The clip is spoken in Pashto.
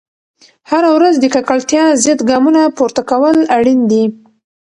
هره ورځ د ککړتیا ضد ګامونه پورته کول اړین دي.